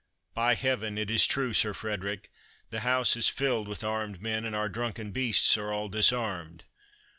"By Heaven! it is true, Sir Frederick; the house is filled with armed men, and our drunken beasts are all disarmed.